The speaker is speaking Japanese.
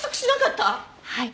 はい。